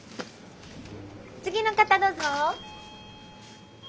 次の方どうぞ。